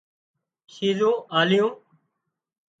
شيزُون آليون